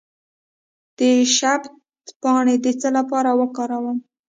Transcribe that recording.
د شبت پاڼې د څه لپاره وکاروم؟